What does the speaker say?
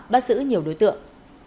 bắt giữ nhiều đối tượng